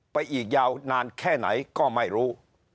อีกยาวนานแค่ไหนก็ไม่รู้